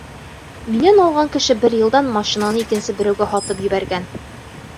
Минән алған кеше бер йылдан машинаны икенсе берәүгә һатып ебәргән.